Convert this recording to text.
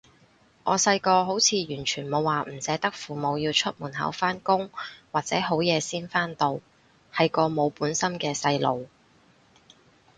我細個好似完全冇話唔捨得父母要出門口返工或者好夜先返到，係個冇本心嘅細路